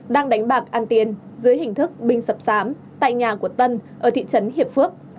đang đánh bạc ăn tiền dưới hình thức binh sập sám tại nhà của tân ở thị trấn hiệp phước